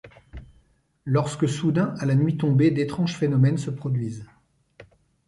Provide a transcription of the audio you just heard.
Lorsque soudain à la nuit tombée d'étranges phénomènes se produisent.